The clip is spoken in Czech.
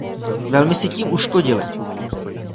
Velmi si tím uškodili.